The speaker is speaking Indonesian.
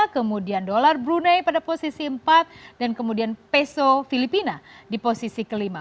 kemudian dolar brunei pada posisi empat dan kemudian peso filipina di posisi kelima